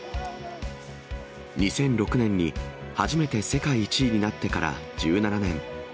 ２００６年に初めて世界１位になってから１７年。